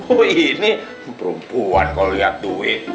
oh ini perempuan kalau lihat duit